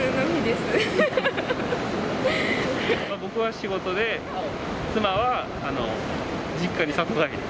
僕は仕事で、妻は実家に里帰り。